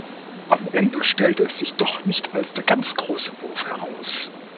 Am Ende stellte es sich doch nicht als der ganz große Wurf heraus.